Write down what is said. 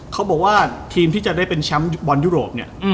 เขาบอกว่าทีมที่จะได้เป็นแชมป์บอลยุโรปเนี่ย